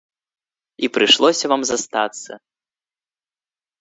І прыйшлося вам застацца!